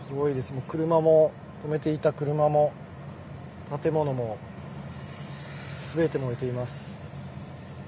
もう車も、止めていた車も建物も、すべて燃えています。